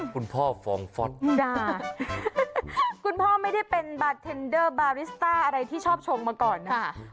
คุณพ่อฟองฟอสจ้าคุณพ่อไม่ได้เป็นบาร์เทนเดอร์บาริสต้าอะไรที่ชอบชมมาก่อนนะ